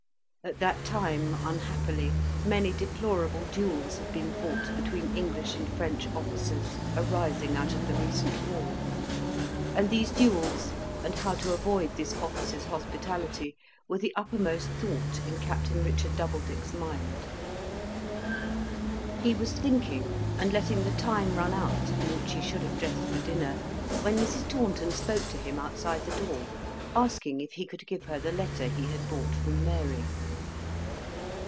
At that time, unhappily, many deplorable duels had been fought between English and French officers, arising out of the recent war; and these duels, and how to avoid this officer's hospitality, were the uppermost thought in Captain Richard Doubledick's mind. He was thinking, and letting the time run out in which he should have dressed for dinner, when Mrs. Taunton spoke to him outside the door, asking if he could give her the letter he had brought from Mary.